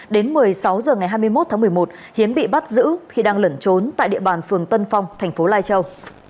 đến một mươi sáu h ngày hai mươi một tháng một mươi một hiến bị bắt giữ khi đang lẩn trốn tại địa bàn phường tân phong thành phố lai châu